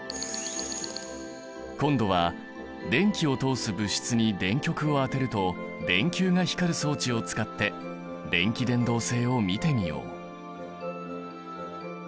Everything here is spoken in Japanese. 今度は電気を通す物質に電極を当てると電球が光る装置を使って電気伝導性を見てみよう。